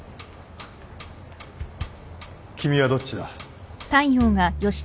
君はどっちだ？